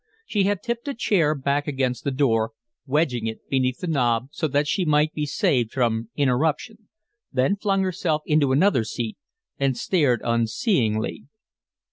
She had tipped a chair back against the door, wedging it beneath the knob so that she might be saved from interruption, then flung herself into another seat and stared unseeingly.